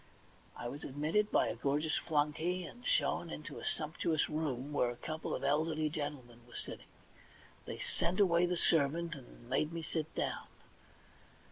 I was admitted by a gorgeous flunkey, and shown into a sumptuous room where a couple of elderly gentlemen were sitting. They sent away the servant, and made me sit down.